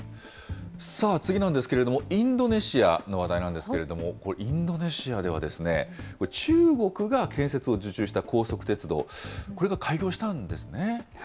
次なんですけれども、インドネシアの話題なんですけれども、これ、インドネシアではですね、中国が建設を受注した高速鉄道、これが開業したんですね。